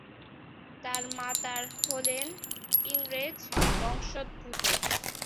তার মাতার হলেন ইংরেজ বংশোদ্ভূত।